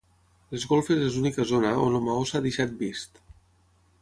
Les golfes és l'única zona on el maó s'ha deixat vist.